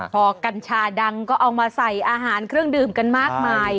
พอกัญชาดังก็เอามาใส่อาหารเครื่องดื่มกันมากมาย